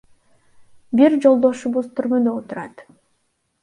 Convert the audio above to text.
Бир жолдошубуз түрмөдө отурат.